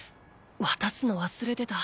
渡すの忘れてた。